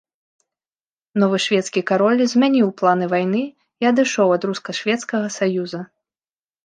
Новы шведскі кароль змяніў планы вайны і адышоў ад руска-шведскага саюза.